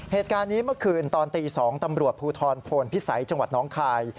เหตุการณ์นี้เมื่อคืนตอนตี๒ตำรวจภูทรโพนพิสัยจังหวัดน้องคาย